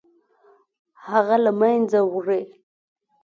هغه له منځه وړي.